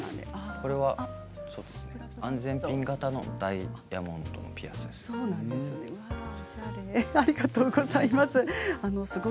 これは安全ピン形のダイヤモンドのピアスです。